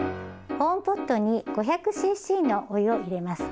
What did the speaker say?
保温ポットに５００ｃｃのお湯を入れます。